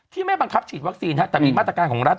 ไม่บังคับฉีดวัคซีนแต่มีมาตรการของรัฐ